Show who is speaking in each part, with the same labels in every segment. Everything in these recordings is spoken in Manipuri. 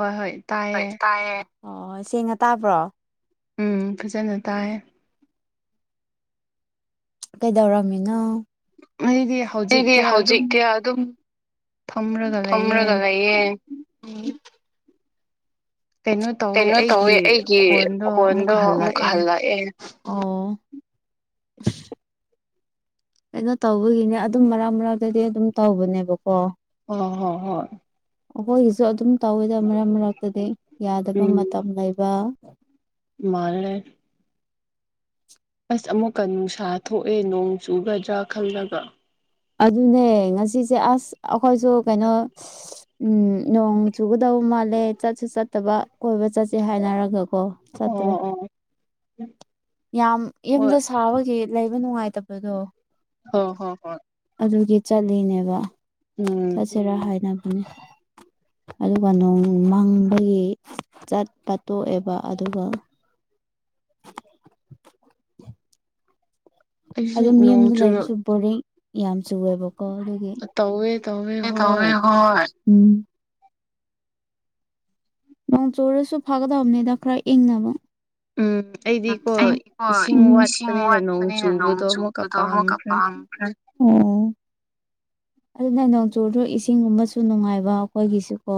Speaker 1: ꯍꯣꯏ ꯍꯣꯏ ꯇꯥꯏꯌꯦ
Speaker 2: ꯑꯣꯏ ꯁꯦꯡꯅ ꯇꯥꯕ꯭ꯔꯣ
Speaker 1: ꯎꯝ ꯐꯖꯅ ꯇꯥꯏ
Speaker 2: ꯀꯩꯗꯧꯔꯝꯃꯤꯅꯣ
Speaker 1: ꯑꯩꯗꯤ
Speaker 2: ꯑꯩꯗꯤ
Speaker 1: ꯍꯧꯖꯤꯛꯇꯤ ꯑꯗꯨꯝ
Speaker 2: ꯍꯧꯖꯤꯛ ꯀꯌꯥ ꯑꯗꯨꯝ
Speaker 1: ꯐꯝꯔꯒ ꯂꯩꯌꯦ
Speaker 2: ꯐꯝꯔꯒ ꯂꯩꯌꯦ ꯀꯩꯅꯣ ꯇꯧꯋꯦ ꯑꯩꯒꯤ ꯈꯣꯟꯗꯣ ꯑꯃꯨꯛ ꯍꯜꯂꯛꯑꯦ ꯑꯣ ꯀꯩꯅꯣ ꯇꯧꯕꯒꯤꯅꯦ ꯑꯗꯨꯝ ꯃꯔꯥꯡ ꯃꯔꯥꯛꯗꯤ ꯑꯗꯨꯝ ꯇꯧꯕꯅꯦꯕꯀꯣ
Speaker 1: ꯑꯣ ꯍꯣ ꯍꯣꯏ
Speaker 2: ꯑꯩꯈꯣꯏꯒꯤꯁꯨ ꯑꯗꯨꯝ ꯇꯧꯋꯤꯗ ꯃꯔꯛ ꯃꯔꯛꯇꯗꯤ ꯌꯥꯗꯕ ꯃꯇꯝ ꯂꯩꯕ
Speaker 1: ꯃꯥꯂꯦ ꯑꯁ ꯑꯃꯨꯛꯀ ꯅꯨꯡꯁꯥ ꯊꯣꯛꯑꯦ ꯅꯣꯡ ꯆꯨꯒꯗ꯭ꯔꯥ ꯈꯜꯂꯒ
Speaker 2: ꯑꯗꯨꯅꯦ ꯉꯁꯤꯁꯦ ꯑꯁ ꯑꯩꯈꯣꯏꯁꯨ ꯀꯩꯅꯣ ꯎꯝ ꯅꯣꯡ ꯆꯨꯒꯗꯕ ꯇꯧ ꯃꯥꯜꯂꯦ ꯆꯠꯁꯨ ꯆꯠꯇꯕ ꯀꯣꯏꯕ ꯆꯠꯁꯦ ꯍꯥꯏꯅꯔꯒ ꯑꯣ ꯆꯠꯇ꯭ꯔꯦ
Speaker 1: ꯑꯣ ꯑꯣ
Speaker 2: ꯌꯥꯝ
Speaker 1: ꯍꯣꯏ
Speaker 2: ꯌꯨꯝꯗ ꯁꯥꯕꯒꯤ ꯂꯩꯕ ꯅꯨꯡꯉꯥꯏꯇꯕꯗꯣ
Speaker 1: ꯍ ꯍꯣ ꯍꯣ
Speaker 2: ꯑꯗꯨꯒꯤ ꯆꯠꯂꯤꯅꯦꯕ ꯆꯠꯁꯤꯔꯥ ꯍꯥꯏꯅꯕꯅꯦ ꯑꯗꯨꯒ ꯅꯣꯡ ꯃꯪꯕꯒꯤ ꯆꯠꯄ ꯇꯣꯛꯑꯦꯕ ꯑꯗꯨꯒ [inaudible]
Speaker 1: ꯑꯩꯁꯨ
Speaker 2: ꯑꯗꯨ ꯃꯤ
Speaker 1: ꯅꯣꯡ
Speaker 2: ꯑꯃꯗ
Speaker 1: ꯆꯨꯔꯛ
Speaker 2: ꯂꯩꯕꯁꯨ ꯕꯣꯔꯤꯡ ꯌꯥꯝ ꯆꯨꯋꯦꯕꯀꯣ ꯀꯗꯒꯤ
Speaker 1: ꯇꯧꯋꯦ ꯇꯧꯋꯦ
Speaker 2: ꯇꯃꯦ
Speaker 1: ꯍꯣꯏ
Speaker 2: ꯍ ꯎꯝ ꯅꯣꯡ ꯆꯣꯏꯨꯔꯁꯨ ꯐꯥꯒꯗꯕꯅꯦꯗ ꯈꯔꯥ ꯏꯪꯅꯕ
Speaker 1: ꯎꯝ
Speaker 2: ꯎꯝ
Speaker 1: ꯑꯩꯗꯤꯀꯣ
Speaker 2: ꯑꯩꯗꯤꯀꯣ
Speaker 1: ꯏꯁꯤꯡ
Speaker 2: ꯏꯁꯤꯡ
Speaker 1: ꯋꯥꯠꯄꯅꯤꯅ ꯅꯣꯡ
Speaker 2: ꯋꯥꯠꯄꯅꯤꯅ ꯅꯣꯡ
Speaker 1: ꯆꯨꯕꯗꯣ ꯑꯃꯨꯛꯀ
Speaker 2: ꯆꯨꯕꯗꯣ ꯑꯃꯨꯛꯀ
Speaker 1: ꯄꯥꯝꯈ꯭ꯔꯦ
Speaker 2: ꯄꯥꯝꯈ꯭ꯔꯦ ꯑꯣ ꯑꯗꯨꯅ ꯅꯣꯡꯆꯨꯗꯣ ꯏꯁꯤꯡꯒꯨꯝꯕꯁꯨ ꯅꯨꯡꯉꯥꯏꯕ ꯑꯩꯈꯣꯏꯒꯤꯁꯨ ꯀꯣ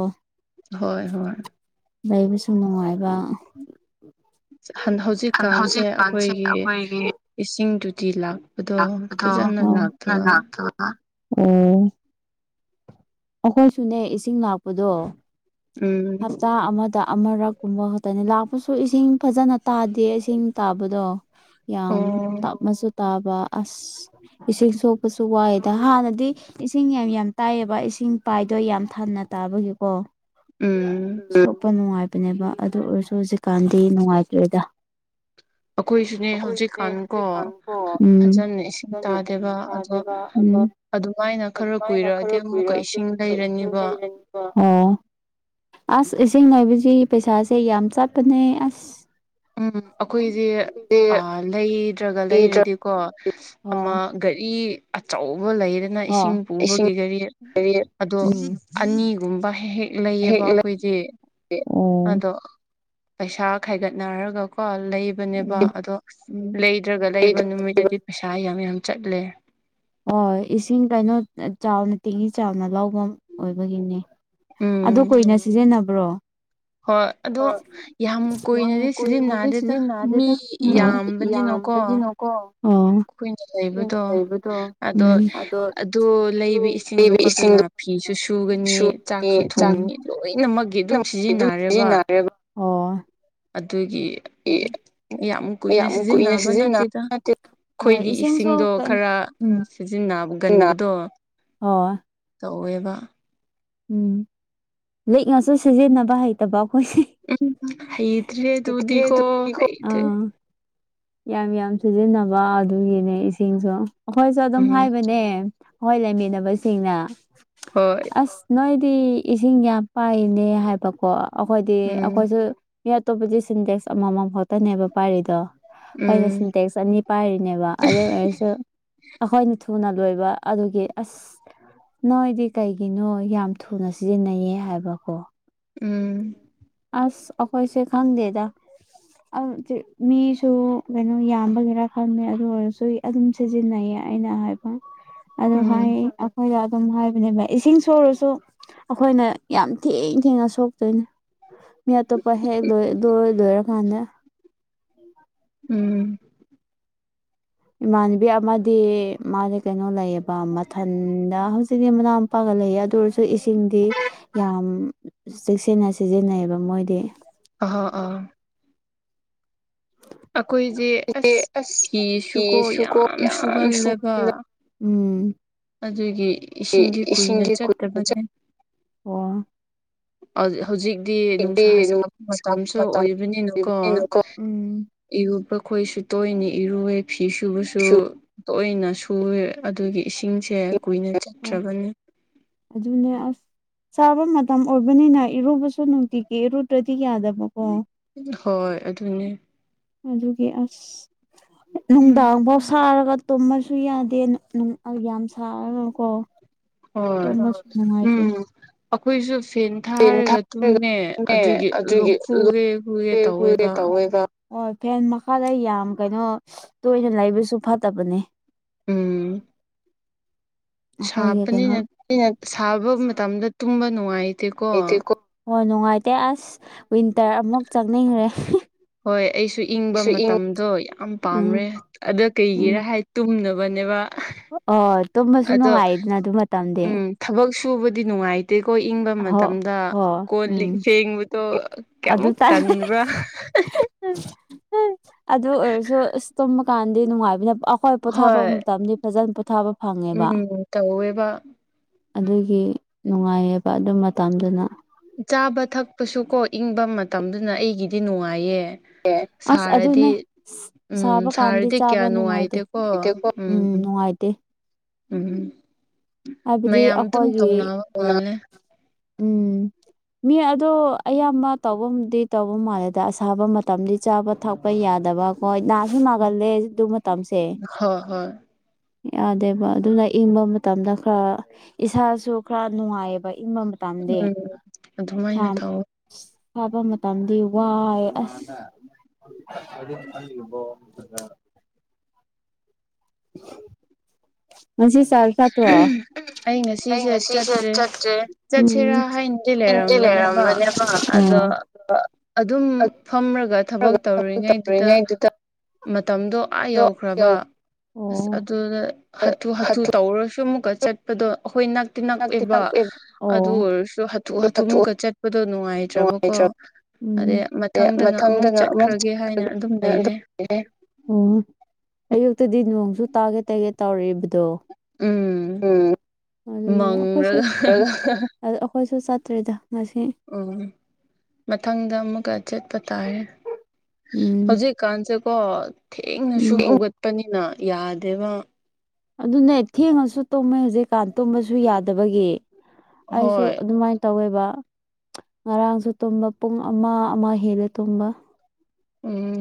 Speaker 1: ꯍꯣꯏ ꯍꯣꯏ
Speaker 2: ꯂꯩꯕꯁꯨ ꯅꯨꯡꯉꯥꯏꯕ ꯍꯧꯖꯤꯛꯀꯥꯟꯁꯦ ꯑꯩꯈꯣꯏꯒꯤ
Speaker 1: ꯏꯁꯤꯡ ꯇꯣꯇꯤ ꯂꯥꯛꯄꯗꯣ ꯐꯖꯅ ꯂꯥꯛꯇꯕ
Speaker 2: ꯂꯥꯛ ꯎꯝ ꯑꯩꯈꯣꯏꯁꯨꯅꯦ ꯏꯁꯤꯡ ꯂꯥꯛꯄꯗꯣ
Speaker 1: ꯎꯝ
Speaker 2: ꯍꯞꯇꯥ ꯑꯃ ꯗ ꯑꯃꯔꯛ ꯀꯨꯝꯕ ꯈꯛꯇꯅꯤ ꯂꯥꯛꯄꯁꯨ ꯏꯁꯤꯡ ꯐꯖꯅ ꯇꯥꯗꯦ ꯏꯁꯤꯡ ꯇꯥꯕꯗꯣ ꯌꯥꯝ
Speaker 1: ꯑꯣ
Speaker 2: ꯇꯞꯃꯁꯨ ꯇꯥꯕ ꯑꯁ ꯏꯁꯤꯡ ꯁꯣꯛꯄꯁꯨ ꯋꯥꯏꯑꯦꯗ ꯍꯥꯟꯅꯗꯤ ꯏꯁꯤꯡ ꯌꯥꯝ ꯌꯥꯝ ꯇꯥꯏꯑꯕꯁꯤꯡ ꯤꯡ ꯄꯥꯏꯗꯣꯏ ꯌꯥꯝ ꯊꯅ ꯇꯥꯕꯒꯤꯀꯣ
Speaker 1: ꯎꯝ
Speaker 2: ꯁꯣꯛꯄ ꯅꯨꯡꯉꯥꯏꯕ ꯍꯥꯏꯕꯅꯦꯕ ꯑꯗꯨ ꯑꯣꯏꯔꯁꯨ ꯍꯧꯖꯤꯛꯀꯥꯟꯗꯤ ꯅꯨꯡꯉꯥꯏꯇ꯭ꯔꯦꯗ
Speaker 1: ꯑꯩꯈꯣꯏꯁꯨꯅꯦ
Speaker 2: ꯑꯩꯈꯣꯏꯁꯨꯅꯦ
Speaker 1: ꯍꯧꯖꯤꯛꯀꯥꯟꯀꯣ
Speaker 2: ꯍꯧꯖꯤꯛꯀꯥꯟꯀꯣ ꯎꯝ
Speaker 1: ꯐꯖꯅ ꯏꯁꯤꯡ
Speaker 2: ꯐꯖꯅ
Speaker 1: ꯇꯥꯗꯦꯕ ꯑꯗꯣ
Speaker 2: ꯇꯥꯗꯦꯕ ꯑꯗꯣ
Speaker 1: ꯑꯗꯨꯃꯥꯏꯅ ꯈꯔ
Speaker 2: ꯑꯗꯨꯃꯥꯏꯅ
Speaker 1: ꯀꯨꯏꯔꯛꯑꯗꯤ
Speaker 2: ꯈꯔ
Speaker 1: ꯑꯃꯨꯛꯀ
Speaker 2: ꯀꯨꯏꯔꯛꯑꯗꯤ
Speaker 1: ꯏꯁꯤꯡ
Speaker 2: ꯑꯃꯨꯛꯀ ꯏꯁꯤꯡ
Speaker 1: ꯂꯩꯔꯅꯤꯕ
Speaker 2: ꯂꯩꯔꯅꯤꯕ ꯑꯣ ꯑꯁ ꯏꯁꯤꯡ ꯅꯅꯥꯕꯁꯤ ꯄꯩꯁꯥꯁꯦ ꯌꯥꯝ ꯆꯠꯄꯅꯦ ꯑꯁ
Speaker 1: ꯎꯝ
Speaker 2: ꯎꯝ
Speaker 1: ꯑꯩꯈꯣꯏꯁꯦ
Speaker 2: ꯑꯩꯈꯣꯏꯗꯤ
Speaker 1: ꯂꯩꯗ꯭ꯔꯒ
Speaker 2: ꯄꯤꯗ꯭ꯔ
Speaker 1: ꯂꯩꯔꯗꯤꯀꯣ ꯑꯃ
Speaker 2: ꯑꯣ
Speaker 1: ꯒꯥꯔꯤ ꯑꯆꯧ ꯎ ꯂꯩꯗꯅ
Speaker 2: ꯑꯣ
Speaker 1: ꯏꯁꯤꯡ
Speaker 2: ꯏꯁꯤꯡ
Speaker 1: ꯄꯨꯕꯒꯤ ꯒꯥꯔꯤ ꯑꯗꯣ
Speaker 2: ꯎꯝ
Speaker 1: ꯑꯅꯤꯒꯨꯝꯕ ꯍꯦꯛ ꯍꯦꯛ
Speaker 2: ꯍꯦꯛ
Speaker 1: ꯂꯩꯌꯦꯕ ꯑꯩꯈꯣꯏꯗꯤ
Speaker 2: ꯂꯩ
Speaker 1: ꯑꯗꯣ ꯄꯩꯁꯥ ꯈꯥꯏꯒꯠꯅꯔꯒꯀꯣ ꯂꯩꯕꯅꯦꯕ ꯑꯗꯣ ꯂꯩꯗ꯭ꯔꯒ ꯂꯩꯕ
Speaker 2: ꯂꯩꯗ꯭ꯔꯒ ꯂꯩꯕ
Speaker 1: ꯅꯨꯃꯤꯠꯇꯗꯤ ꯄꯩꯁꯥ ꯌꯥꯝ ꯌꯥꯝ ꯆꯠꯂꯦ
Speaker 2: ꯍꯣꯏ ꯏꯁꯤꯡ ꯀꯩꯅꯣ ꯆꯥꯎꯅ ꯇꯦꯡꯍꯤꯤ ꯆꯥꯎꯅ ꯂꯐꯝ ꯑꯣꯏꯕꯒꯤꯅꯦ ꯑꯗꯨ
Speaker 1: ꯎꯝ
Speaker 2: ꯀꯨꯏꯅ ꯁꯤꯖꯤꯟꯅꯕ꯭ꯔꯣ
Speaker 1: ꯍꯣꯏ ꯑꯗꯣ ꯌꯥꯝ ꯀꯨꯏꯅꯗꯤ
Speaker 2: ꯌꯥꯝꯣꯏ
Speaker 1: ꯁꯤꯖꯤꯟꯅꯗꯦꯗ
Speaker 2: ꯁꯤꯖꯤ ꯅꯅꯥꯗꯦꯇꯥ
Speaker 1: ꯃꯤ ꯌꯥꯝꯕꯅꯤꯅꯀꯣ
Speaker 2: ꯄꯝꯕꯅꯤꯅꯣꯀꯣ
Speaker 1: ꯀꯨꯏꯅ
Speaker 2: ꯀꯨꯏꯅ
Speaker 1: ꯂꯩꯕꯗꯣ
Speaker 2: ꯂꯩꯕꯗꯣ
Speaker 1: ꯑꯗꯣ
Speaker 2: ꯎꯝ ꯑꯗꯣ
Speaker 1: ꯑꯗꯨ ꯂꯩꯕ ꯏꯁꯤꯡꯗ
Speaker 2: ꯂꯩꯕ
Speaker 1: ꯈꯛꯇꯅ
Speaker 2: ꯏꯁꯤꯡꯗꯣ
Speaker 1: ꯐꯤꯁꯨ ꯁꯨꯒꯅꯤ ꯆꯥꯛꯁꯨ
Speaker 2: ꯁꯨꯒꯅꯤ
Speaker 1: ꯊꯣꯡꯒꯅꯤ
Speaker 2: ꯆꯥꯛ
Speaker 1: [inaudible]
Speaker 2: ꯁꯤꯖꯤꯟꯅꯔꯦꯕ ꯍ
Speaker 1: ꯑꯗꯨꯒꯤ ꯌꯥꯝ ꯀꯨꯏꯅ ꯁꯤꯖꯤꯟꯅꯕ ꯅꯠꯇꯦꯗ ꯑꯩꯈꯣꯏꯗꯤ ꯏꯁꯤꯡꯗꯣ ꯈꯔ ꯁꯤꯖꯤꯟꯅꯕꯒꯟꯕꯗꯣ
Speaker 2: ꯍ
Speaker 1: ꯇꯧꯋꯦꯕ
Speaker 2: ꯎꯝ ꯂꯤꯛꯉꯥꯁꯨ ꯁꯤꯖꯤꯟꯅꯕ ꯍꯩꯇꯕ
Speaker 1: ꯍꯩꯇ꯭ꯔꯦ ꯑꯗꯨꯗꯤꯀꯣ
Speaker 2: ꯑ
Speaker 1: ꯍꯩꯇ꯭ꯔꯦ
Speaker 2: ꯌꯥꯝ ꯌꯥꯝ ꯁꯤꯖꯤꯟꯅꯕ ꯑꯗꯨꯒꯤꯅꯦ ꯏꯁꯤꯡꯁꯨ ꯑꯩꯈꯣꯏꯁꯨ ꯑꯗꯨꯝ
Speaker 1: ꯎꯝ
Speaker 2: ꯍꯥꯏꯕꯅꯦ ꯍꯣꯏ ꯂꯩꯃꯤꯟꯅꯕꯁꯤꯡꯅ
Speaker 1: ꯍꯣꯏ
Speaker 2: ꯑꯁ ꯅꯣꯏ ꯁꯤ ꯏꯁꯤꯡ ꯌꯥꯝ ꯄꯥꯏꯅꯦ ꯍꯥꯏꯕꯀꯣ ꯑꯩꯈꯣꯏꯗꯤ
Speaker 1: ꯎꯝ
Speaker 2: ꯑꯩꯈꯣꯏꯁꯨ ꯃꯤ ꯑꯇꯣꯞꯄꯗꯤ ꯁꯤꯟꯗꯦꯛꯁ ꯑꯃꯃꯝ ꯈꯥꯎꯛꯇꯅꯦꯕ ꯄꯥꯏꯔꯤꯗꯣ ꯍꯣꯏꯅ
Speaker 1: ꯎꯝ
Speaker 2: ꯁꯤꯟꯇꯦꯛꯁ ꯑꯅꯤ ꯄꯥꯏꯔꯤꯅꯦꯕ ꯑꯗꯨ ꯑꯣꯏꯔꯁꯨ ꯑꯩꯈꯣꯏꯅ ꯊꯨꯅ ꯂꯣꯏꯕ ꯑꯗꯨꯒꯤ ꯑꯁ ꯅꯣꯏꯗꯤ ꯀꯩꯒꯤꯅꯣ ꯌꯥꯝ ꯊꯨꯅ ꯁꯤꯖꯤꯟꯅꯩꯌꯦ ꯍꯥꯏꯕꯀꯣ
Speaker 1: ꯎꯝ
Speaker 2: ꯑꯁ ꯑꯣꯈꯣꯏ ꯁꯦ ꯈ ꯂꯗ ꯃꯤꯁꯨ ꯀꯩꯅꯣ ꯌꯥꯝꯕꯒꯤꯦꯔꯥ ꯈꯪꯗꯦ ꯑꯗꯨ ꯑꯣꯏꯔꯁꯨ ꯑꯗꯨꯝ ꯁꯤꯖꯤꯟꯅꯩꯌꯦ ꯑꯩꯅ ꯍꯥꯏꯕ ꯑꯗꯨ ꯍꯥꯏ
Speaker 1: ꯎꯝ
Speaker 2: ꯑꯩꯈꯣꯏꯗ ꯁꯨꯝ ꯍꯥꯏꯕꯅꯦꯕ ꯏꯁꯤꯡ ꯁꯨꯔꯁꯨ ꯑꯩꯈꯣꯏꯅ ꯌꯥꯝ ꯊꯦꯡ ꯊꯦꯡꯉꯁꯨ ꯣꯏꯅꯦ ꯃꯤ ꯑꯇꯣꯞꯄ ꯍꯦꯛ ꯂꯣꯏ ꯂꯣꯏ ꯂꯣꯏꯔꯀꯥꯟꯗ
Speaker 1: ꯎꯝ
Speaker 2: ꯏꯃꯥꯟꯅꯕꯤ ꯑꯃꯗꯤ ꯃꯥꯗꯤ ꯀꯩꯅꯣ ꯂꯩꯌꯦꯕ ꯃꯊꯟꯗ ꯍꯧꯖꯤꯛꯤ ꯃꯅꯥ ꯃꯄꯥꯒ ꯂꯩꯌꯦ ꯑꯗꯨ ꯑꯣꯏꯔꯁꯨ ꯏꯁꯤꯡꯗꯤ ꯌꯥꯝ ꯆꯦꯛꯁꯤꯟꯅ ꯁꯤꯖꯤꯟꯅꯩꯌꯦꯕ ꯃꯣꯏꯗꯤ
Speaker 1: ꯑ ꯑꯥ
Speaker 2: ꯑꯁ ꯐꯤꯁꯨꯀꯣ ꯌꯥꯝ ꯁꯨ ꯎꯝ
Speaker 1: ꯑꯗꯨꯒꯤ ꯏꯁꯤꯡꯗꯤ ꯀꯨꯏꯅ
Speaker 2: ꯏꯁꯤꯡꯗꯤ ꯀꯨꯏꯅ
Speaker 1: ꯆꯠꯇꯕꯅꯦ
Speaker 2: ꯆꯠ ꯑꯣ
Speaker 1: ꯑꯗꯨꯗꯤ ꯍꯧꯖꯤꯛꯇꯤ ꯅꯨꯡꯁꯥ
Speaker 2: ꯍꯧꯖꯤꯛꯇꯤ
Speaker 1: ꯁꯥꯕ
Speaker 2: ꯅꯨꯡꯁꯥ ꯁꯥꯕ
Speaker 1: ꯃꯇꯝꯁꯨ ꯑꯣꯏꯕꯅꯤꯅꯀꯣ
Speaker 2: ꯎꯝ
Speaker 1: ꯏꯔꯨꯕ ꯑꯩꯈꯣꯏꯁꯨ ꯇꯣꯏꯅ ꯏꯔꯨꯋꯦ ꯐꯤ ꯁꯨꯕꯁꯨ ꯇꯣꯏꯅ ꯁꯨꯋꯦ ꯑꯗꯨꯒꯤ ꯏꯁꯤꯡꯁꯦ ꯀꯨꯏꯅ
Speaker 2: ꯑꯣ
Speaker 1: ꯆꯠꯇ꯭ꯔꯕꯅꯤ
Speaker 2: ꯆꯥꯕ ꯃꯇꯝ ꯑꯣꯏꯕꯅꯤꯅ ꯏꯔꯨꯕꯁꯨ ꯅꯨꯡꯇꯤꯒꯤ ꯏꯔꯨꯗ꯭ꯔꯗꯤ ꯌꯥꯗꯕꯀꯣ
Speaker 1: ꯍꯣꯏ ꯑꯗꯨꯅꯦ
Speaker 2: ꯑꯗꯨꯒꯤ ꯑꯁ ꯅꯨꯡꯗꯥꯡꯐꯥꯎ ꯁꯥꯔꯒ ꯇꯨꯝꯃꯁꯨ ꯌꯥꯗꯦ ꯌꯥꯝ ꯁꯥꯔꯅꯨꯀꯣ ꯇ
Speaker 1: ꯍꯣꯏ
Speaker 2: ꯁꯅꯨꯡꯉꯥꯏꯇ
Speaker 1: ꯎꯝ ꯑꯩꯈꯣꯏꯁꯨ ꯐꯦꯟ ꯊꯥꯔꯒ ꯇꯨꯝꯃꯦ
Speaker 2: ꯊꯥꯔꯒꯅꯦ
Speaker 1: ꯑꯗꯨꯒꯤ ꯂꯣꯛ
Speaker 2: ꯂꯨꯒꯦ
Speaker 1: ꯈꯨꯒꯦ ꯈꯨꯒꯦ
Speaker 2: ꯈꯨꯒꯦ
Speaker 1: ꯇꯧꯋꯦꯕ
Speaker 2: ꯇꯧꯋꯦꯕ ꯍꯣꯏ ꯐꯦꯟ ꯃꯈꯥꯗ ꯌꯥꯝ ꯀꯩꯅꯣ ꯇꯣꯏꯅ ꯂꯩꯕꯁꯨ ꯐꯠꯇꯕꯅꯦ ꯎ
Speaker 1: ꯎꯝ ꯁꯥꯕꯅꯤꯅ ꯁꯥꯕ ꯃꯇꯝꯗ ꯇꯨꯝꯕ ꯅꯨꯡꯉꯥꯏꯇꯦꯀꯣ
Speaker 2: ꯂꯩꯇꯦꯀꯣ ꯍꯣꯏ ꯅꯨꯡꯉꯥꯏꯇꯦ ꯑꯁ ꯋꯤꯟꯇꯔ ꯑꯃꯨꯛ ꯆꯪꯅꯤꯡꯈ꯭ꯔꯦ
Speaker 1: ꯍꯣꯏ ꯑꯩꯁꯨ ꯏꯪꯕ
Speaker 2: ꯑꯩꯁꯨ ꯏꯪ
Speaker 1: ꯃꯇꯝꯗꯣ ꯌꯥꯝ ꯄꯥꯝꯔꯦ
Speaker 2: ꯎꯝ
Speaker 1: ꯑꯗ ꯀꯩꯒꯤꯔ
Speaker 2: ꯎꯝ
Speaker 1: ꯍꯥꯏ ꯊꯨꯝꯅꯕꯅꯦꯕ
Speaker 2: ꯑꯣ ꯇꯨꯝꯕꯁꯨ ꯅꯨꯡꯉꯥꯏꯗꯅ ꯑꯗꯨ ꯃꯇꯝꯗꯤ
Speaker 1: ꯎꯝ ꯊꯕꯛ ꯁꯨꯕꯗꯤ ꯅꯨꯡꯉꯥꯏꯇꯦꯀꯣ ꯏꯪꯕ
Speaker 2: ꯍꯣ
Speaker 1: ꯃꯇꯝꯗ
Speaker 2: ꯍꯣ
Speaker 1: ꯀꯣ ꯂꯤ
Speaker 2: ꯎꯝ
Speaker 1: ꯐꯦꯡꯕꯗꯣ
Speaker 2: ꯑꯗꯨ
Speaker 1: ꯀꯌꯥꯃꯨꯛ
Speaker 2: ꯇꯥꯏ
Speaker 1: ꯇꯟꯕ꯭ꯔꯥ
Speaker 2: ꯎ ꯑꯗꯨ ꯑꯣꯏꯔꯁꯨ ꯑꯁ ꯇꯨꯝꯃ ꯀꯥꯟꯗꯤ ꯅꯨꯡꯉꯥꯏꯕꯅ ꯑꯩꯈꯣꯏ ꯄꯣꯊꯥꯕ
Speaker 1: ꯍꯣꯏ
Speaker 2: ꯃꯇꯝꯗꯤ ꯐꯖꯅ ꯄꯣꯊꯥꯕ ꯐꯪꯉꯦꯕ
Speaker 1: ꯎꯝ ꯇꯧꯋꯦꯕ
Speaker 2: ꯑꯗꯨꯒꯤ ꯅꯨꯡꯉꯥꯏꯑꯕ ꯑꯗꯨ ꯃꯇꯝꯗꯨꯅ
Speaker 1: ꯆꯥꯕ ꯊꯛꯄꯁꯨ ꯀꯣ ꯏꯪꯕ ꯃꯇꯝꯗꯨꯅ ꯑꯩꯒꯤꯗꯤ ꯅꯨꯡꯉꯥꯏꯌꯦ
Speaker 2: ꯑꯁ ꯑꯗꯨꯅꯦ
Speaker 1: ꯁꯥꯔꯗꯤ
Speaker 2: ꯁꯥꯕ
Speaker 1: ꯎꯝ
Speaker 2: ꯀꯥꯟꯗꯤ
Speaker 1: ꯁꯥꯔꯗꯤ
Speaker 2: ꯆꯥꯕ
Speaker 1: ꯀꯌꯥ
Speaker 2: ꯅꯨꯡꯉꯥꯏꯇꯦ
Speaker 1: ꯅꯨꯡꯉꯥꯏꯇꯦꯀꯣ
Speaker 2: ꯎꯝ ꯌꯥꯝ
Speaker 1: ꯎꯝ
Speaker 2: ꯅꯨꯡꯉꯥꯏꯇꯦ
Speaker 1: ꯎꯝ
Speaker 2: ꯍꯥꯏꯕꯗꯤ
Speaker 1: ꯃꯌꯥꯝ ꯑꯗꯨꯝ
Speaker 2: ꯑꯩꯈꯣꯏꯒꯤ
Speaker 1: ꯇꯧꯅꯕ ꯃꯥꯜꯂꯦ
Speaker 2: ꯎꯝ ꯃꯤ ꯑꯣ ꯑꯌꯥꯝꯕ ꯇꯧꯐꯝꯗꯤ ꯇꯧꯕ ꯃꯥꯜꯂꯦꯗ ꯑꯁꯥꯕ ꯃꯇꯝꯗꯤ ꯆꯥꯕ ꯊꯛꯄ ꯌꯥꯗ ꯌꯥꯗꯕꯀꯣꯏ ꯅꯥꯁꯨ ꯅꯥꯒꯜꯂꯦ ꯑꯗꯨ ꯃꯇꯝꯁꯦ
Speaker 1: ꯍꯣꯏ ꯍꯣꯏ
Speaker 2: ꯌꯥꯗꯦꯕ ꯑꯗꯨꯅ ꯏꯪꯕ ꯃꯇꯝꯗ ꯈꯔ ꯏꯁꯥꯁꯨ ꯈꯔ ꯅꯨꯡꯉꯥꯏꯑꯕ ꯏꯝꯕꯝꯕ ꯇꯗꯦ
Speaker 1: ꯎꯝ ꯑꯗꯨꯃꯥꯏꯅ ꯇꯧꯋꯦ
Speaker 2: ꯍꯥꯥꯕ ꯃꯇꯝꯗꯤ ꯋꯥꯏ ꯑꯁ ꯑꯗꯨꯕ ꯃꯁꯤꯦ ꯆꯔ ꯐ ꯋꯥ ꯑꯩ ꯉꯁꯤꯁꯨꯦ ꯆꯠꯇ꯭ꯔꯦ
Speaker 1: ꯆꯠꯁꯤꯔꯥ ꯍꯥꯏꯅꯗꯤ
Speaker 2: ꯉꯗꯤ ꯂꯩꯔꯝꯕꯅꯦꯕ
Speaker 1: ꯑꯗꯣ
Speaker 2: [unintelligible]
Speaker 1: ꯑꯗꯨꯝ
Speaker 2: ꯑꯗꯨ
Speaker 1: ꯐꯝꯔꯒ ꯊꯕꯛ ꯇꯧꯔꯤꯉꯩꯗꯨꯗ ꯃꯇꯝꯗꯣ ꯑꯥ
Speaker 2: ꯑꯗꯣ ꯌꯧ
Speaker 1: ꯌꯧꯈ꯭ꯔꯕ ꯑꯁ
Speaker 2: ꯑꯣ
Speaker 1: ꯑꯗꯨꯅ ꯍꯥꯊꯨ ꯍꯥꯊꯨ ꯇꯧꯔꯨꯔꯁꯨ ꯑꯃꯨꯛꯀ
Speaker 2: ꯍꯥꯊꯨꯅꯛꯇꯤ
Speaker 1: ꯆꯠꯄꯗꯣ ꯑꯩꯈꯣꯏ ꯅꯛꯇꯤ ꯅꯛꯑꯦꯕ ꯑꯗꯨ ꯑꯣꯏꯔꯁꯨ ꯍꯥꯊꯨ ꯍꯥꯊꯨꯃꯨꯛꯀ ꯆꯠꯄꯗꯣ ꯅꯨꯡꯉꯥꯏꯇ꯭ꯔꯕꯣ ꯀꯣ
Speaker 2: ꯅꯨꯡꯉꯥꯏꯇ꯭ꯔꯕ ꯎꯝ
Speaker 1: ꯑꯗꯩ ꯃꯊꯪꯗꯒ ꯑꯃꯨꯛ ꯆꯠꯈ꯭ꯔꯒꯦ ꯍꯥꯏꯅ ꯑꯗꯨꯝ ꯂꯩꯔꯦ
Speaker 2: ꯑꯣ ꯍꯛꯇꯗꯤ ꯅꯣꯡꯁꯨ ꯇꯥꯒꯦ ꯇꯥꯒꯦ ꯇꯧꯔꯛꯏꯕꯗꯣ ꯎꯝ ꯑꯗꯨꯒꯤ ꯑꯩꯈꯣꯏꯁꯨ
Speaker 1: ꯃꯪꯔꯒ
Speaker 2: ꯑꯩꯈꯣꯏꯁꯨ ꯆꯠꯇ꯭ꯔꯤꯗ ꯉꯁꯤ
Speaker 1: ꯎ ꯃꯊꯪꯗ ꯑꯃꯨꯛꯀ ꯆꯠꯄ ꯇꯥꯔꯦ
Speaker 2: ꯎꯝ
Speaker 1: ꯍꯧꯖꯤꯛꯀꯥꯟꯁꯦ ꯀꯣ ꯊꯦꯡꯅꯁꯨ
Speaker 2: ꯎꯝ
Speaker 1: ꯍꯧꯒꯠꯄꯅꯤꯅ ꯌꯥꯗꯦꯕ
Speaker 2: ꯑꯗꯨꯅꯦ ꯊꯦꯡꯉꯁꯨ ꯇꯧꯃꯦ ꯍꯧꯖꯤꯛ ꯀꯥꯟ ꯇꯨꯝꯕꯁꯨ ꯌꯥꯗꯕꯒꯤ ꯑꯩꯁꯨ
Speaker 1: ꯍꯣꯏ
Speaker 2: ꯑꯗꯨꯃꯥꯏꯅ ꯇꯧꯋꯦꯕ ꯉꯔꯥꯡꯁꯨ ꯇꯨꯝꯕ ꯄꯨꯡ ꯑꯃ ꯑꯃ ꯍꯦꯜꯂꯦ ꯇꯨꯝꯕ
Speaker 1: ꯎꯝ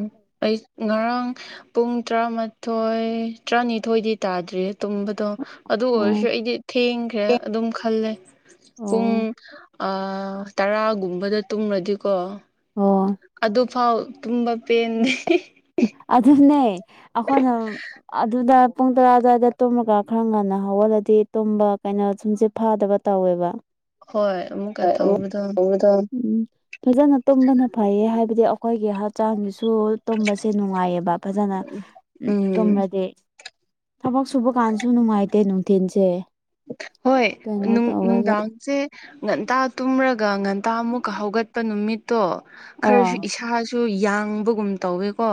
Speaker 1: ꯑꯩ ꯉꯔꯥꯡ ꯄꯨꯡ ꯇꯔꯥꯃꯥꯊꯣꯏ ꯇꯔꯥꯅꯤꯊꯣꯏꯗꯤ ꯇꯥꯔꯦ ꯑꯗꯨ꯭ꯔꯦ ꯇꯨꯝꯝꯕꯗꯨꯣ ꯑꯗꯨ ꯑꯣꯏꯔꯁꯨ
Speaker 2: ꯑꯣ
Speaker 1: ꯑꯩꯗꯤ ꯊꯦꯡꯈ꯭ꯔꯦ ꯑꯗꯨꯝ ꯈꯜꯂꯦ ꯄꯨꯡ
Speaker 2: ꯑꯣ
Speaker 1: ꯑ ꯇꯔꯥꯒꯨꯝꯕꯗ ꯇꯨꯝꯂꯗꯤꯀꯣ
Speaker 2: ꯑꯣ
Speaker 1: ꯐꯥꯎ ꯇꯨꯝꯕ ꯄꯦꯟꯗꯦ
Speaker 2: ꯑꯗꯨꯅꯦ ꯑꯩꯈꯣꯏꯅ ꯑꯗꯨꯗ ꯄꯨꯡ ꯇꯔꯥ ꯑꯗꯨ꯭ꯋꯥꯏꯗ ꯇꯨꯝꯃꯒ ꯈꯔ ꯉꯟꯅ ꯍꯧꯍꯜꯂꯗꯤ ꯇꯨꯝꯕ ꯀꯩꯅꯣ ꯁꯨꯝꯁꯦ ꯐꯥꯗꯕ ꯇꯧꯋꯦꯕ
Speaker 1: ꯍꯣꯏ ꯑꯃꯨꯛꯀ
Speaker 2: ꯗ
Speaker 1: ꯇꯧꯕꯗꯣ
Speaker 2: [unintelligible] ꯎꯝ ꯐꯖꯅ ꯇꯨꯝꯕꯅ ꯐꯩꯌꯦ ꯍꯥꯏꯕꯗꯤ ꯑꯩꯈꯣꯏꯒꯤ ꯍꯛꯆꯥꯡꯁꯤꯁꯨ ꯁꯦ ꯅꯨꯡꯉꯥꯏꯌꯦꯕ ꯐꯖꯅ ꯎ
Speaker 1: ꯎꯝ
Speaker 2: ꯇꯨꯝꯔꯗꯤ ꯊꯕꯛ ꯁꯨꯕ ꯀꯥꯟꯁꯨ ꯅꯨꯡꯉꯥꯏꯇꯦ ꯅꯨꯡꯊꯤꯟꯜꯁꯦ
Speaker 1: ꯍꯣꯏꯅꯨꯡ ꯅꯨꯡꯗꯥꯁꯦ ꯉꯟꯇꯥ ꯇꯨꯝꯔꯒ ꯉꯟꯇꯥꯃꯨꯛꯀ ꯍꯧꯒꯠꯄ ꯅꯨꯃꯤꯠꯇꯣ
Speaker 2: ꯑꯥ
Speaker 1: ꯈꯔꯁꯨ ꯏꯁꯥ ꯁꯨ ꯌꯥꯡꯕꯒꯨꯝ ꯇꯧꯋꯦꯀꯣ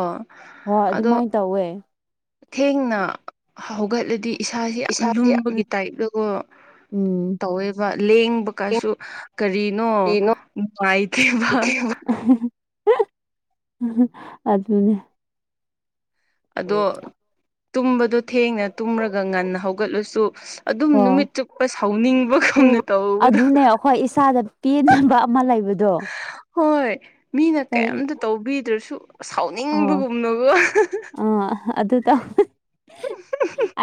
Speaker 2: ꯍꯣꯏ
Speaker 1: ꯑꯗꯣ
Speaker 2: ꯑꯗꯨꯃꯥꯏꯅ ꯇꯧꯋꯦ
Speaker 1: ꯊꯦꯡꯅ ꯍꯧꯒꯠꯂꯗꯤ ꯏꯁꯁꯤ ꯌꯥꯝ
Speaker 2: ꯏꯁꯥꯗꯤ
Speaker 1: ꯂꯨꯝꯕꯒꯤ
Speaker 2: ꯌꯥꯝ
Speaker 1: ꯇꯥꯏꯞꯇꯀꯣ
Speaker 2: ꯎꯝ
Speaker 1: ꯇꯧꯋꯦꯕ ꯂꯦꯡꯕ ꯀꯁꯨ ꯀꯔꯤꯅꯣ ꯅꯨꯡꯉꯥꯏꯇꯦꯕ
Speaker 2: ꯑꯗꯨ ꯑꯗꯨꯅꯦ
Speaker 1: ꯑꯗꯣ
Speaker 2: ꯍꯣꯏ
Speaker 1: ꯇꯨꯝꯕꯗ ꯊꯦꯡꯅ ꯇꯨꯝꯔꯒ ꯉꯟꯅ ꯍꯧꯒꯠꯂꯁꯨ ꯑꯗꯨꯝ ꯅꯨꯃꯤꯠ ꯆꯨꯞꯄ ꯁꯥꯎꯅꯤꯡꯕ ꯉꯝꯅ
Speaker 2: ꯏꯪꯕ
Speaker 1: ꯇꯧꯋ
Speaker 2: ꯑꯗꯨꯅꯦ ꯑꯩꯈꯣꯏ ꯏꯁꯥꯗ ꯄꯦꯕ ꯑꯃ ꯗꯣ
Speaker 1: ꯍꯣꯏ ꯃꯤꯅ ꯀꯌꯥꯝꯝꯇ ꯇꯧꯕꯤꯗ꯭ꯔꯁꯨ
Speaker 2: ꯑꯣ
Speaker 1: ꯁꯥꯎꯅꯤꯡꯕꯒꯨꯝꯅꯕꯣ
Speaker 2: ꯇ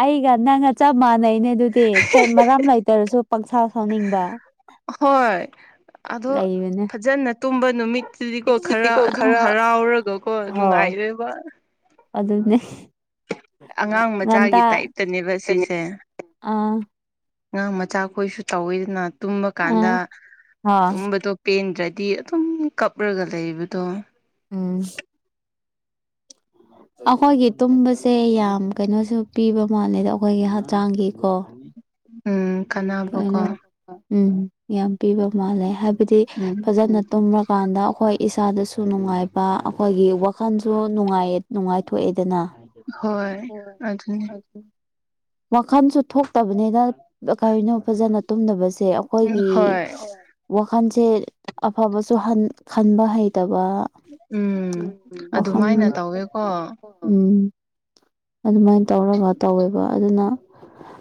Speaker 2: ꯑꯩꯒ ꯅꯪ ꯆ ꯃꯥꯅꯩ ꯅꯦ ꯑꯗꯨꯗꯤ ꯀꯩ ꯃꯔꯥꯝ ꯂꯩꯇꯔꯁꯨ ꯄꯪꯁꯥ ꯁꯥꯎꯅꯤꯡꯕ
Speaker 1: ꯍꯣꯏ ꯑꯗꯣ
Speaker 2: ꯂꯩꯕꯅꯦ
Speaker 1: ꯐꯖꯅ ꯇꯨꯝꯕ ꯅꯨꯃꯤꯠꯇꯨꯗꯤꯀꯣ ꯈꯔ ꯑꯗꯨꯝ ꯍꯔꯥꯎꯔꯒꯀꯣ ꯅꯨꯡꯉꯥꯏ ꯏꯕ
Speaker 2: ꯑꯗꯨꯗꯅꯦ
Speaker 1: ꯑꯉꯥꯡ ꯃꯆꯥꯒꯤ ꯇꯥꯏꯞꯇꯅꯦꯕ ꯁꯤꯁꯦ
Speaker 2: ꯑꯥ
Speaker 1: ꯑꯉꯥꯡ ꯃꯆꯥꯈꯣꯏꯁꯨ ꯆꯥꯎꯋꯤꯗꯅ ꯇꯨꯝꯕ
Speaker 2: ꯑꯥ
Speaker 1: ꯀꯥꯟꯗ
Speaker 2: ꯍꯣꯏ
Speaker 1: ꯇꯨꯝꯕꯗꯣ ꯄꯦꯟꯗ꯭ꯔꯗꯤ ꯗꯤ ꯑꯗꯨꯝ ꯀꯞꯂꯒ ꯂꯩꯕꯗꯣ
Speaker 2: ꯎꯝ ꯑꯩꯈꯣꯏꯒꯤ ꯇꯨꯝꯕꯁꯦ ꯌꯥꯝ ꯀꯩꯅꯣꯁꯨ ꯄꯤꯕ ꯃꯥꯜꯂꯦꯗ ꯑꯩꯈꯣꯏꯒꯤ ꯍꯛꯆꯥꯡꯒꯤ ꯑꯣ
Speaker 1: ꯎꯝ ꯀꯥꯟꯅꯕꯀꯣ
Speaker 2: ꯀꯩꯅꯣ ꯎꯝ ꯌꯥꯝ ꯄꯤꯕ ꯃꯥꯜꯂꯦ ꯍꯥꯏꯕꯗꯤ
Speaker 1: ꯎꯝ
Speaker 2: ꯐꯖꯅ ꯇꯨꯝꯛ ꯀꯥꯟꯗ ꯑꯩꯈꯣꯏ ꯏꯁꯥꯗꯁꯨ ꯅꯨꯡꯉꯥꯏꯕ ꯑꯩꯈꯣꯏꯒꯤ ꯋꯥꯈꯜꯁꯨ ꯅꯨꯡꯉꯥꯏ ꯅꯨꯡꯉꯥꯏꯊꯣꯛꯑꯦꯗꯅ
Speaker 1: ꯍꯣꯏ ꯑꯗꯨꯅꯤ
Speaker 2: ꯋꯥꯈꯟꯁꯨ ꯊꯣꯛꯇꯕꯅꯤꯅ ꯀꯅꯣ ꯐꯖꯅ ꯇꯨꯝꯗꯕꯁꯦ ꯁꯦ
Speaker 1: ꯎꯝ
Speaker 2: ꯑꯩꯈꯣꯏꯒꯤ
Speaker 1: ꯍꯣꯏ
Speaker 2: ꯋꯥꯈꯜꯁꯦ ꯑꯐꯕꯁꯨ ꯈꯟꯕ ꯍꯩꯇꯕ
Speaker 1: ꯎꯝ ꯑꯗꯨꯃꯥꯏꯅ ꯇꯧꯋꯦꯀꯣ
Speaker 2: ꯎꯝ ꯑꯗꯨꯃꯥꯏꯅ ꯇꯧꯔꯒ ꯇꯧꯋꯦꯕ ꯑꯗꯨꯅ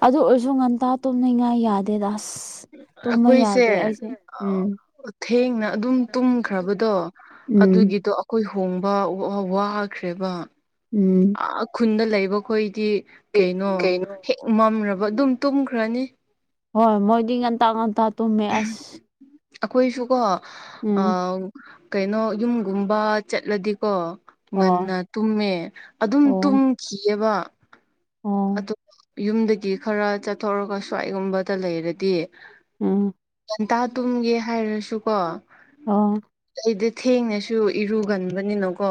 Speaker 2: ꯑꯗꯨ ꯑꯣꯏꯔꯁꯨ ꯉꯟꯇꯥ ꯇꯨꯝꯅꯉꯥꯏ ꯌꯥꯗꯦꯗꯥꯁ
Speaker 1: ꯑꯩꯈꯣꯏꯁꯦ
Speaker 2: ꯎꯝ
Speaker 1: ꯊꯦꯡꯅ ꯑꯗꯨꯝ ꯇꯨꯝꯈ꯭ꯔꯕꯗꯣ
Speaker 2: ꯎꯝ
Speaker 1: ꯑꯗꯨꯒꯤꯗꯣ ꯑꯩꯈꯣꯏ ꯊꯣꯡꯕ ꯋꯥꯈ꯭ꯔꯦꯕ
Speaker 2: ꯎꯝ
Speaker 1: ꯑ ꯈꯨꯟꯗ ꯂꯩꯕꯈꯣꯏ ꯀꯩꯅꯣ ꯍꯦꯛ ꯃꯝꯕ ꯑꯗꯨꯝ ꯇꯨꯝꯈ꯭ꯔꯅꯤ
Speaker 2: ꯍꯣꯏ ꯃꯣꯏꯗꯤ ꯉꯟꯇꯥ ꯉꯟꯇꯥ ꯇꯨꯝꯃꯦ ꯑꯁ
Speaker 1: ꯑꯩꯈꯣꯏꯁꯨꯀꯣ
Speaker 2: ꯎꯝ
Speaker 1: ꯀꯩꯅꯣ ꯌꯨꯝꯒꯨꯝꯕ ꯆꯠꯂꯗꯤꯀꯣ
Speaker 2: ꯍꯣꯏ
Speaker 1: ꯉꯟꯅ ꯇꯨꯝꯃꯦ ꯑꯗꯨꯝ
Speaker 2: ꯑꯣ
Speaker 1: ꯇꯨꯝꯈꯤꯑꯕ
Speaker 2: ꯑꯣ
Speaker 1: ꯑ ꯌꯨꯝꯗꯒꯤ ꯈꯔ ꯆꯠꯊꯣꯛꯔꯒ ꯁ꯭ꯋꯥꯏꯒꯨꯝꯕꯗ ꯂꯩꯔꯗꯤ
Speaker 2: ꯑꯝ
Speaker 1: ꯏꯟꯇꯥ ꯇꯨꯝꯒꯦ ꯍꯥꯏꯔꯁꯨꯀꯣ
Speaker 2: ꯑ
Speaker 1: ꯁꯤꯗ ꯊꯦꯡꯅꯁꯨ ꯏꯔꯨꯒꯟꯕꯅꯤꯅꯀꯣ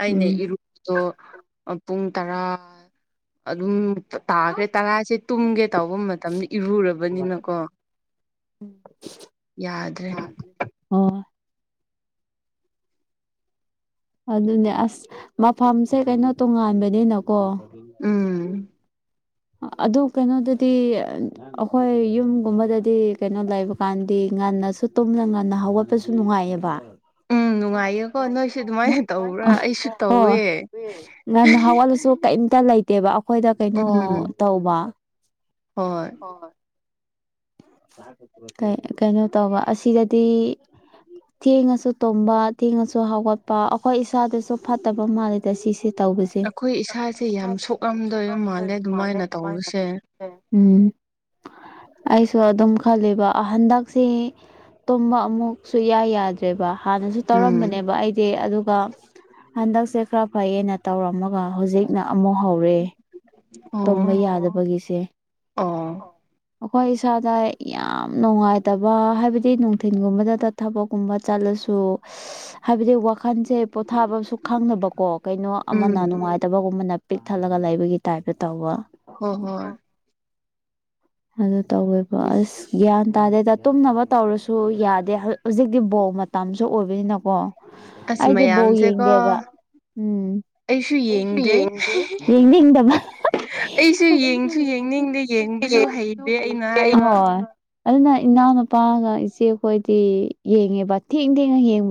Speaker 1: ꯑꯩꯅ
Speaker 2: ꯎꯝ
Speaker 1: ꯏꯔꯨꯕꯗꯣ ꯄꯨꯡ ꯇꯔꯥ ꯑꯗꯨꯝ ꯇꯥꯈ꯭ꯔꯦ ꯇꯔꯥꯁꯦ ꯇꯨꯝꯒꯦ ꯇꯧꯕ ꯃꯇꯝꯗ ꯏꯔꯨꯔꯕꯅꯤꯅꯀꯣ ꯌꯥꯗ꯭ꯔꯦ
Speaker 2: ꯑꯗꯨꯅꯦ ꯑꯁ ꯃꯐꯝꯁꯦ ꯀꯩꯅꯣ ꯇꯣꯉꯥꯟꯕꯅꯤꯅꯀꯣ ꯎꯝ
Speaker 1: ꯎꯝ
Speaker 2: ꯑꯗꯨ ꯀꯩꯅꯣꯗꯗꯤ ꯑꯩꯈꯣꯏ ꯌꯨꯝꯒꯨꯝꯕꯗꯗꯤ ꯀꯩꯅꯣ ꯂꯩꯕ ꯀꯥꯟꯗꯤ ꯉꯟꯅꯁꯨ ꯇꯨꯝꯅ ꯉꯟꯅ ꯍꯧꯒꯠꯄꯁꯨ ꯅꯨꯡꯉꯥꯏꯑꯕ
Speaker 1: ꯎꯝ ꯅꯨꯡꯉꯥꯏꯌꯦꯀꯣ ꯅꯣꯏꯁꯨ ꯑꯗꯨꯃꯥꯏꯅ ꯇꯧꯕ꯭ꯔꯥ ꯑꯩꯁꯨ ꯇꯧꯋꯦ
Speaker 2: ꯅꯥꯟ ꯍꯥꯋꯥꯜꯁꯨ ꯀꯩꯝꯇ ꯂꯩ ꯗꯦꯕ ꯑꯩꯈꯣꯏꯗ ꯀꯩꯅꯣ
Speaker 1: ꯎꯝ
Speaker 2: ꯇꯧꯕ
Speaker 1: ꯍꯣꯏ
Speaker 2: ꯍ ꯀꯩꯅꯣ ꯇꯧꯕ ꯑꯁꯤꯗꯗꯤ ꯊꯦꯡꯉꯁꯨ ꯇꯨꯝꯝꯕ ꯊꯦꯡꯉꯁꯨ ꯍꯧꯒꯠꯄ ꯑꯩꯈꯣꯏ ꯏꯁꯥꯗꯁꯨ ꯐꯠꯇꯕ ꯃꯥꯜꯜꯂꯤꯦꯗ ꯁꯤꯁꯦ ꯇꯧꯕꯁꯦ ꯑꯩꯈꯣꯏ ꯏꯁꯥꯒꯤ ꯌꯥꯝ ꯁꯨꯑꯝꯗ ꯃꯥꯜꯂꯦ ꯑꯗꯨꯃꯥꯏꯅ ꯇꯧꯕꯁꯦ ꯎꯝ ꯑꯩꯁ ꯁꯨ ꯑꯗꯨꯝ ꯈꯜꯂꯦꯕ ꯍꯟꯗꯛꯁꯦ ꯇꯨꯝꯕ ꯑꯃꯨꯛ ꯁꯨꯌꯥꯏ ꯌꯥꯗ꯭ꯔꯦꯕ ꯍꯥꯟꯅꯁꯨ
Speaker 1: ꯎꯝ
Speaker 2: ꯇꯧꯔꯝꯕꯅꯦꯕ ꯑꯩꯗꯤ ꯑꯗꯨ ꯑꯗꯨꯒ ꯍꯟꯗꯛꯁꯦ ꯈꯔ ꯐꯩꯌꯦꯦꯅ ꯇꯧꯔꯝꯃꯒ ꯍꯧꯖꯤꯛꯅ ꯑꯃꯨꯛ ꯍꯧꯔꯦ ꯇꯝꯕ
Speaker 1: ꯑꯣ
Speaker 2: ꯌꯥꯗꯕꯒꯤꯁꯦ
Speaker 1: ꯑꯣ
Speaker 2: ꯑꯩꯈꯣꯏ ꯏꯁꯥꯗ ꯌꯥꯝ ꯅꯨꯡꯉꯥꯏꯇꯕ ꯍꯥꯏꯕꯗꯤ ꯅꯨꯡꯊꯤꯤꯟꯒꯨꯝꯕꯗ ꯊꯕꯛꯀꯨꯝꯕ ꯆꯠꯂ ꯍꯥꯏꯕꯗꯤ ꯃꯈꯥꯈꯟꯁꯦ ꯄꯣꯊꯥꯕꯁꯨ ꯈꯪꯗꯅꯕꯀꯣ ꯀꯩꯅꯣ
Speaker 1: ꯎꯝ
Speaker 2: ꯑꯃꯅ ꯅꯨꯡꯉꯥꯏꯇꯕꯒꯨꯝꯕꯅ ꯄꯤꯛ ꯊꯠꯂꯒ ꯂꯩꯕꯒꯤ ꯇꯥꯏꯞꯇ ꯇꯧꯕ
Speaker 1: ꯍꯣꯏ ꯍꯣꯏ
Speaker 2: ꯑꯗꯨ ꯇꯧꯋꯦꯕ ꯑꯁ ꯒ꯭ꯌꯥꯟ ꯇꯥꯗꯦꯗ ꯇꯨꯝꯅꯕ ꯇꯧꯔꯁꯨ ꯌꯥꯗꯦ ꯍꯧꯖꯤꯛꯇꯤ ꯕꯣꯛ ꯃꯇꯝꯁꯨ ꯑꯣꯏꯕꯅꯤꯅꯀꯣ
Speaker 1: ꯑꯁ
Speaker 2: ꯑꯩꯗꯤ ꯕꯧ
Speaker 1: ꯃꯌꯥꯝꯁꯦꯀꯣ
Speaker 2: ꯌꯦꯡꯗꯦꯕ ꯎꯝ ꯑꯩꯁꯨ ꯌꯦꯗꯦ ꯌꯦꯗꯕ
Speaker 1: ꯑꯩꯁꯨ ꯌꯦꯡꯁꯨ ꯌꯦꯡꯅꯤꯡꯗꯦ ꯌꯦꯡꯕꯁꯨ ꯍꯩꯇꯦ ꯑꯩꯅ ꯍꯥꯏꯕ
Speaker 2: ꯍꯣꯏ ꯑꯗꯨꯅ ꯏꯅꯥꯎꯅꯨꯄꯥꯒ ꯏꯆꯦꯈꯣꯏꯗꯤ ꯌꯦꯡꯉꯦꯕ ꯊꯦꯡ ꯊꯦꯡꯉ ꯌꯦꯡꯕ